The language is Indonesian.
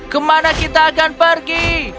kemana kita akan pergi